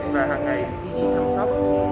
và hàng ngày đi chăm sóc